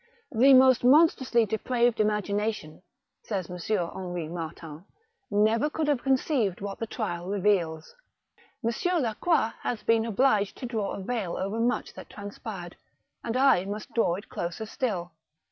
" The most monstrously depraved imagination," says M. Henri Martin, " never could have conceived what the trial reveals." M. Lacroix has been obliged to draw a veil over much that transpired, and I must draw it closer still.